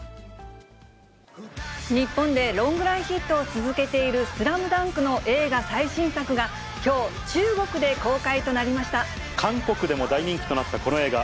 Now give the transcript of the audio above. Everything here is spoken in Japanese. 日本でロングランヒットを続けているスラムダンクの映画最新作が、きょう、中国で公開となり韓国でも大人気となったこの映画。